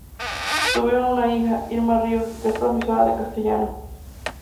Tuvieron una hija, Irma Ríos, que es profesora de castellano.